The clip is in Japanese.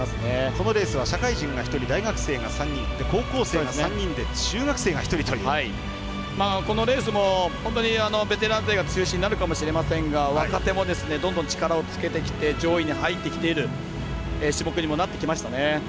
このレースは社会人が１人大学生が３人、高校生が３人でこのレースも本当にベテラン勢が中心になると思いますが若手もどんどん力をつけてきて上位に入ってきている種目にもなってきましたね。